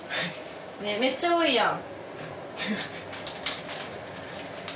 ねえめっちゃ多いやん。